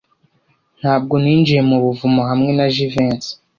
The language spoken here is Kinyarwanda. Ntabwo ninjiye mu buvumo hamwe na Jivency.